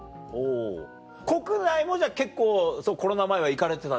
国内もじゃあ結構コロナ前は行かれてたんですか？